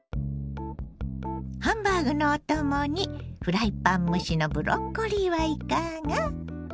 ハンバーグのお供にフライパン蒸しのブロッコリーはいかが？